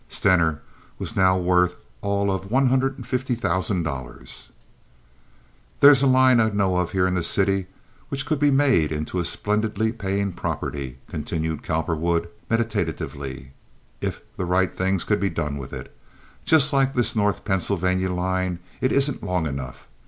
Stener was now worth all of one hundred and fifty thousand dollars. "There's a line that I know of here in the city which could be made into a splendidly paying property," continued Cowperwood, meditatively, "if the right things could be done with it. Just like this North Pennsylvania line, it isn't long enough.